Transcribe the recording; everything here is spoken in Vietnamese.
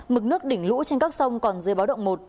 mực nước đỉnh lũ trên các sông còn dưới báo động một